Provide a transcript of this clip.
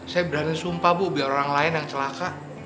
saya berani sumpah bu biar orang lain yang celaka